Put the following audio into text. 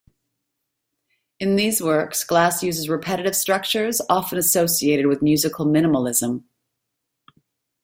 In these works, Glass uses repetitive structures often associated with musical minimalism.